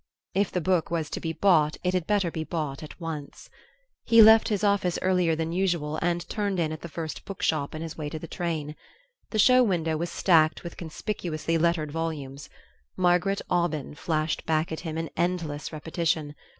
If the book was to be bought it had better be bought at once. He left his office earlier than usual and turned in at the first book shop on his way to the train. The show window was stacked with conspicuously lettered volumes. "Margaret Aubyn" flashed back at him in endless repetition.